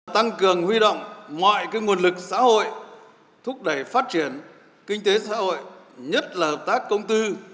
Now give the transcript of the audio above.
tăng cường huy động mọi nguồn lực xã hội thúc đẩy phát triển kinh tế xã hội nhất là hợp tác công tư